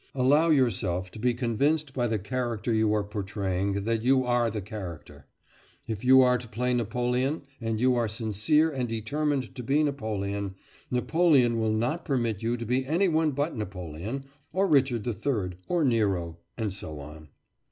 Allow yourself to be convinced by the character you are portraying that you are the character. If you are to play Napoleon, and you are sincere and determined to be Napoleon, Napoleon will not permit you to be any one but Napoleon, or Richard III. Richard III., or Nero Nero, and so on.